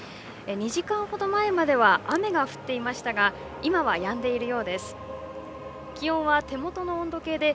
２時間ほど前まで雨が降っていましたが今は、やんでいるようです。